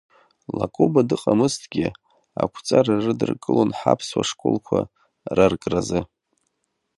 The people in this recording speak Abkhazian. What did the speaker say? Лакоба дыҟамызҭгьы, ақәҵара рыдыркылон ҳаԥсуа школқәа раркразы.